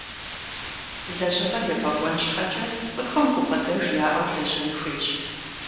Лэжьыгъэр ефӀэкӀуэн щхьэкӀэ цӀыхум гукъыдэж яӀэу лэжьэн хуейщ.